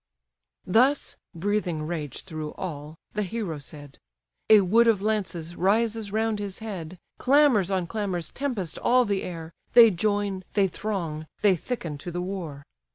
Thus (breathing rage through all) the hero said; A wood of lances rises round his head, Clamours on clamours tempest all the air, They join, they throng, they thicken to the war.